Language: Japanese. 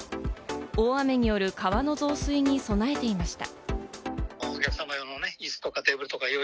大雨による川の増水などに備えていました。